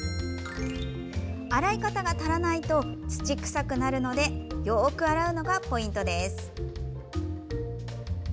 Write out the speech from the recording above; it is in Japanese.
洗い方が足らないと土臭くなるのでよく洗うのがポイントです。